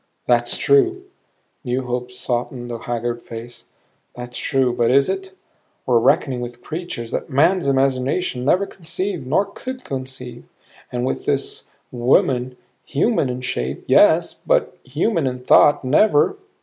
"That's true" new hope softened the haggard face "that's true but is it? We're reckoning with creatures that man's imagination never conceived nor could conceive. And with this woman human in shape, yes, but human in thought never.